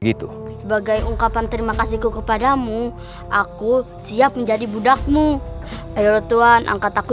gitu sebagai ungkapan terima kasihku kepadamu aku siap menjadi budakmu ayo tuan angkat aku